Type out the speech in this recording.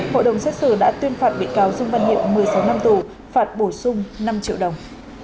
hội đồng xét xử đã tuyên phạt bị cáo dương văn hiệu một mươi sáu năm tù phạt bổ sung năm triệu đồng